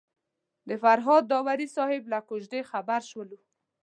د فرهاد داوري صاحب له کوژدې خبر شولو.